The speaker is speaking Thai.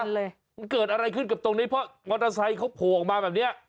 มันเลยมันเกิดอะไรขึ้นกับตรงนี้เพราะมอเตอร์ไซค์เขาโผล่ออกมาแบบเนี้ย